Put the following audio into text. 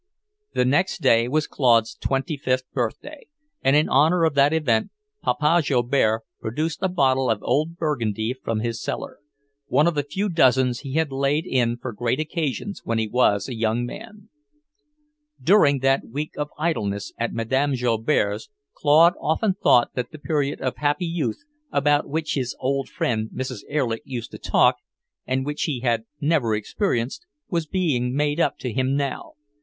The next day was Claude's twenty fifth birthday, and in honour of that event Papa Joubert produced a bottle of old Burgundy from his cellar, one of a few dozens he had laid in for great occasions when he was a young man. During that week of idleness at Madame Joubert's, Claude often thought that the period of happy "youth," about which his old friend Mrs. Erlich used to talk, and which he had never experienced, was being made up to him now.